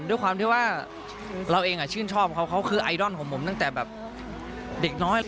ด้วยความที่ว่าเราเองชื่นชอบเขาเขาคือไอดอลของผมตั้งแต่แบบเด็กน้อย